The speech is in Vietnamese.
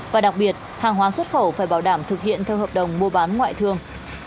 và đặc biệt hàng hóa xuất khẩu phải bảo đảm thực hiện theo hợp đồng mua bán ngoại thương